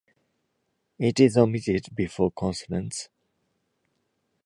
It is omitted before consonants.